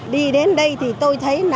đi đến đây thì tôi thấy